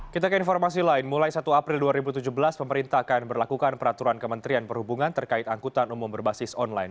kita ke informasi lain mulai satu april dua ribu tujuh belas pemerintah akan berlakukan peraturan kementerian perhubungan terkait angkutan umum berbasis online